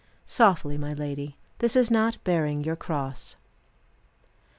Softly, my lady. This is not bearing your cross.